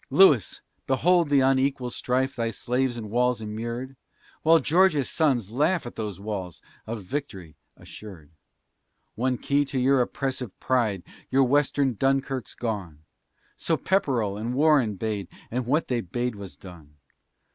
Louis! behold the unequal strife, Thy slaves in walls immured! While George's sons laugh at those walls Of victory assured. One key to your oppressive pride Your Western Dunkirk's gone; So Pepperell and Warren bade And what they bade was done!